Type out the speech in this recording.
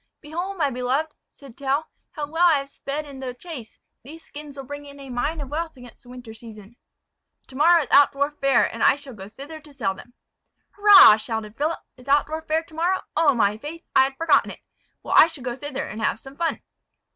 "Behold, my beloved," said Tell, "how well I have sped in the chase! These skins will bring in a mine of wealth against the winter season. To morrow is Altdorf fair and I shall go thither to sell them." "Hurrah!" shouted Philip. "Is Altdorf fair to morrow? Oh, my faith, I had forgotten it. Well, I shall go thither, and have some fun."